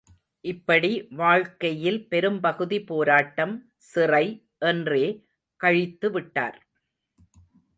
இப்படி வாழ்க்கையில் பெரும்பகுதி போராட்டம், சிறை என்றே கழித்துவிட்டார்.